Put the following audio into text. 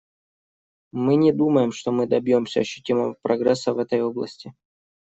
Мы не думаем, что мы добьемся ощутимого прогресса в этой области.